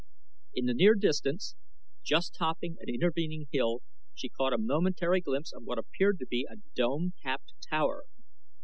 In the near distance, just topping an intervening hill, she caught a momentary glimpse of what appeared to be a dome capped tower.